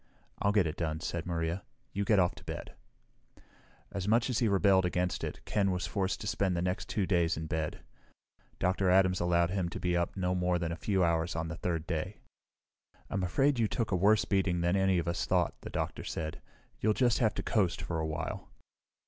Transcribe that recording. "I'll get it done," said Maria. "You get off to bed." As much as he rebelled against it, Ken was forced to spend the next two days in bed. Dr. Adams allowed him to be up no more than a few hours on the third day. "I'm afraid you took a worse beating than any of us thought," the doctor said. "You'll just have to coast for a while."